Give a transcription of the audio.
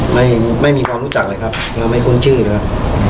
ไม่มีไม่มีความรู้จักเลยครับไม่คุ้นชื่อเลยครับ